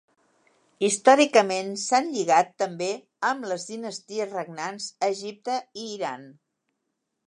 Històricament s'han lligat també amb les dinasties regnants a Egipte i Iran.